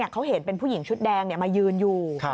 เขาเห็นเป็นผู้หญิงชุดแดงมายืนอยู่